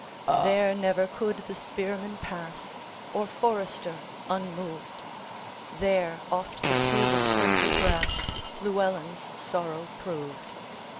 There never could the spearman pass, Or forester, unmoved; There oft the tear besprinkled grassLlewelyn's sorrow proved.